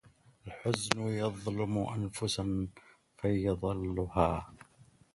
الحزن يظلم أنفسا فيضلها